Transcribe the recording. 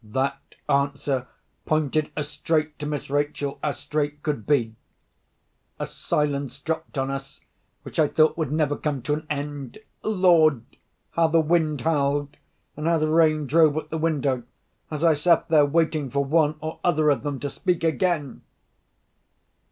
That answer pointed as straight to Miss Rachel as straight could be. A silence dropped on us which I thought would never come to an end. Lord! how the wind howled, and how the rain drove at the window, as I sat there waiting for one or other of them to speak again!